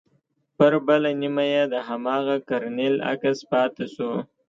پر بله نيمه يې د هماغه کرنيل عکس پاته سو.